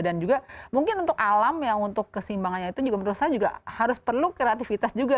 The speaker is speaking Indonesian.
dan juga mungkin untuk alam ya untuk keseimbangannya itu menurut saya juga harus perlu kreativitas juga